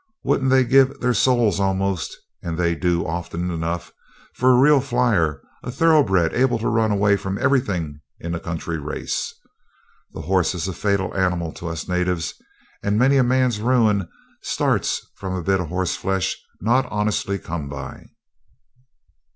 Wouldn't they give their souls almost and they do often enough for a real flyer, a thoroughbred, able to run away from everything in a country race. The horse is a fatal animal to us natives, and many a man's ruin starts from a bit of horse flesh not honestly come by.